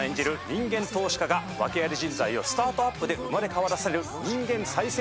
人間投資家が訳あり人材をスタートアップで生まれ変わらせる人間再生ドラマです。